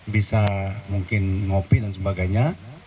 bisa mungkin ngopi dan sebagainya